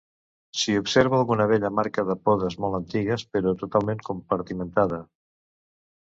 S'hi observa alguna vella marca de podes molt antigues, però totalment compartimentada.